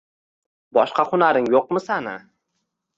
Boshqa xunaring yoʻqmi sani?